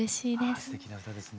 ああすてきな歌ですね。